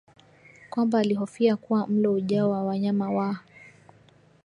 kwamba alihofia kuwa mlo ujao wa wanyama wa